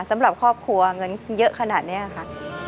สำหรับครอบครัวเงินเยอะขนาดนี้ค่ะ